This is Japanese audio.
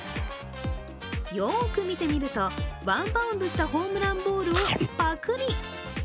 よく見てみると、ワンバウンドしたホームランボールをパクリ。